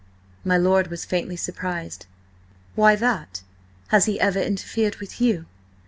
My lord was faintly surprised. "Why that? Has he ever interfered with you?"